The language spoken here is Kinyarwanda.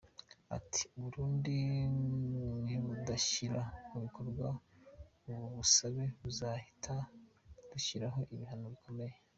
Ati “ U Burundi nibudashyira mu bikorwa ubu busabe, tuzahita dushyiraho ibihano bikomeye.